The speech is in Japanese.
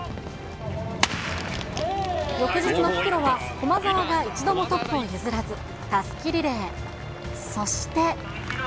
翌日の復路は、駒澤が一度もトップを譲らず、たすきリレー。